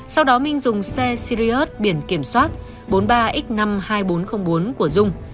sau đó minh dùng xe sirius biển kiểm soát bốn mươi ba x năm mươi hai nghìn bốn trăm linh bốn của dung